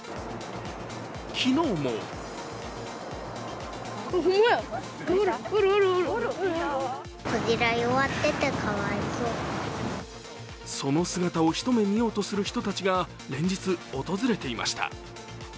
昨日もその姿を一目見ようとする人たちが連日、訪れていました。